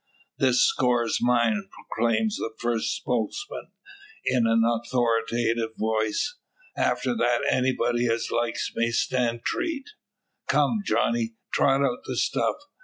"This score's mine!" proclaims the first spokesman, in an authoritative voice. "After that anybody as likes may stand treat. Come, Johnny! trot out the stuff.